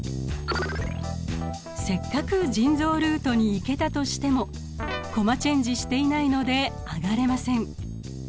せっかく腎臓ルートに行けたとしてもコマチェンジしていないので上がれません。